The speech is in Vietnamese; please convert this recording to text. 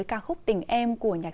chẳng đủ gần